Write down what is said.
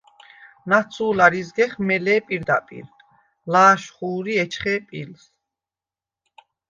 ნაცუ̄ლარ იზგეხ მელე̄ პირდაპირ, ლა̄შხუ̄რი ეჩხე̄ პილს.